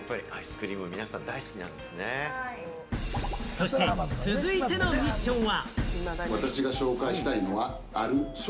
そして続いてのミッションは？